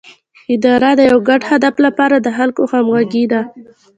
اداره د یو ګډ هدف لپاره د خلکو همغږي ده